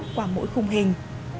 qua mỗi khung hình